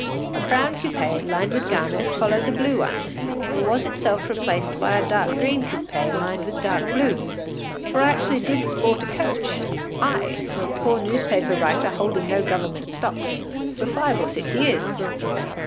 A brown coupé, lined with garnet, followed the blue one, and was itself replaced by a dark green coupé lined with dark blue, for I actually did sport a coach I, poor newspaper writer holding no Government stock for five or six years.